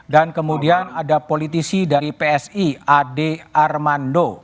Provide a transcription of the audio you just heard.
kemudian ada politisi dari psi ade armando